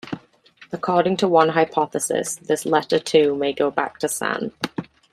According to one hypothesis, this letter too may go back to San.